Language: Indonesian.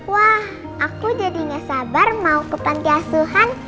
wah aku jadi gak sabar mau ke pantiasuhan